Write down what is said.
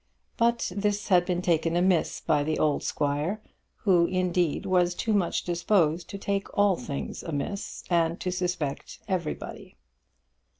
But this had been taken amiss by the old squire, who, indeed, was too much disposed to take all things amiss and to suspect everybody.